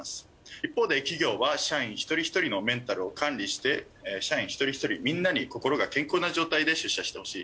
一方で企業は社員一人一人のメンタルを管理して社員一人一人みんなに心が健康な状態で出社してほしい。